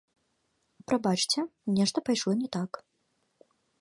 Прабачце, нешта пайшло не так.